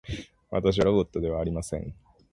私はロボットではありません